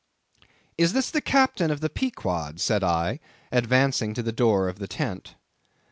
"Is this the Captain of the Pequod?" said I, advancing to the door of the tent.